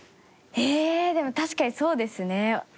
ええーでも確かにそうですね。